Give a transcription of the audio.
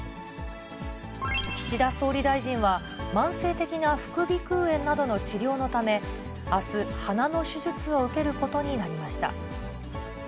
岸田総理大臣は、慢性的な副鼻腔炎などの治療のため、あす、鼻の手術を受けることになりました。